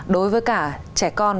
đối với cả trẻ con